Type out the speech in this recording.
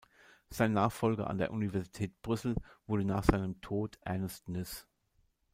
Sein Nachfolger an der Universität Brüssel wurde nach seinem Tod Ernest Nys.